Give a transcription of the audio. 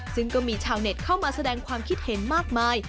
ซึ่งก็มีชาวเน็ตเข้ามาแสดงความคิดเห็นมากมาย